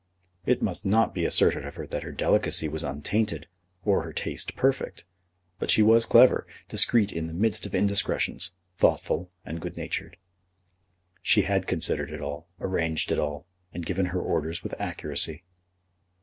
It must not be asserted of her that her delicacy was untainted, or her taste perfect; but she was clever, discreet in the midst of indiscretions, thoughtful, and good natured. She had considered it all, arranged it all, and given her orders with accuracy.